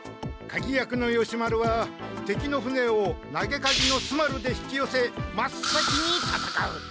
鉤役の義丸は敵の船を投げ鉤のすまるで引きよせ真っ先にたたかう。